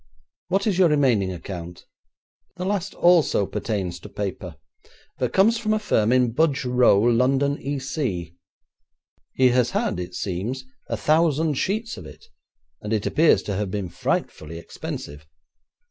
What is your remaining account?' 'The last also pertains to paper, but comes from a firm in Budge Row, London, E.C. He has had, it seems, a thousand sheets of it, and it appears to have been frightfully expensive.